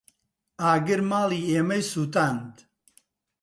ئاگر ماڵی ئێمەی سوتاند.